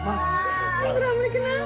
mas ramli kenapa